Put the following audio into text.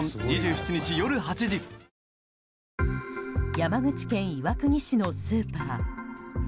山口県岩国市のスーパー。